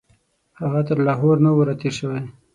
هغه تر لاهور نه وو راتېر شوی.